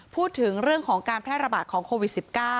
พูดถึงเรื่องของการแพร่ระบาดของโควิด๑๙